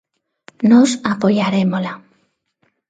Nós apoiarémola.